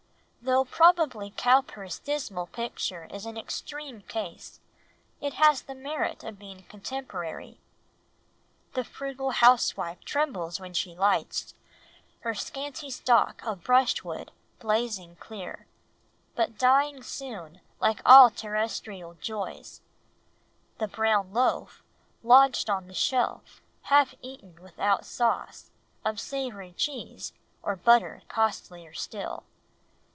Though probably Cowper's dismal picture is an extreme case, it has the merit of being contemporary— "The frugal housewife trembles when she lights Her scanty stock of brushwood, blazing clear, But dying soon like all terrestrial joys. ... The brown loaf Lodged on the shelf, half eaten without sauce Of savoury cheese, or butter costlier still.